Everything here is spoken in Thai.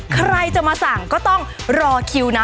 ใครจะมาสั่งก็ต้องรอคิวนะ